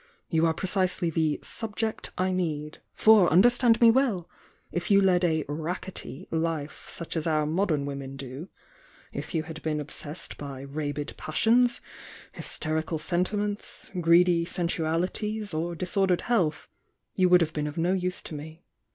You are precisely the 'subject' I need, — for, understand me well! — if you had ^ed a 'rackety' life, such as our modern women do — if you had been obsessed by rabid passions, hysterical sentiments, greedy sensualities or disordered health, you vrould have been no use to me.